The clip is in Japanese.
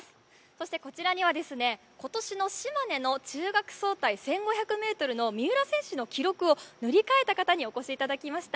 そして、こちらには今年の島根の中学総体１５００ｍの三浦選手の記録を塗り替えた方にお越しいただきました。